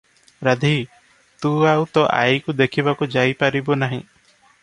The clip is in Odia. ରାଧୀ, ତୁ ଆଉ ତୋ ଆଈକୁ ଦେଖିବାକୁ ଯାଇ ପାରିବୁ ନାହିଁ ।